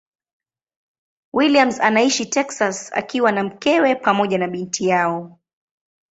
Williams anaishi Texas akiwa na mkewe pamoja na binti yao.